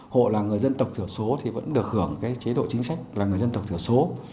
hộ là người dân tộc thiểu số thì vẫn được hưởng cái chế độ chính sách là người dân tộc thiểu số